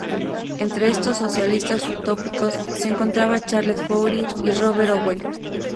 Entre estos "socialistas utópicos" se encontraba Charles Fourier y Robert Owen.